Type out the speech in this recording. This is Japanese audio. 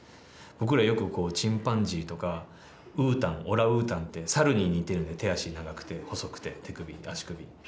よくチンパンジーとかウータンオランウータンって猿に似てるんで手足長くて細くて手首足首